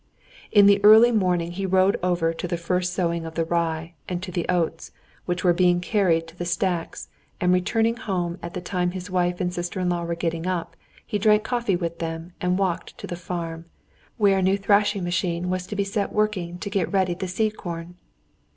In the early morning he rode over to the first sowing of the rye, and to the oats, which were being carried to the stacks, and returning home at the time his wife and sister in law were getting up, he drank coffee with them and walked to the farm, where a new thrashing machine was to be set working to get ready the seed corn.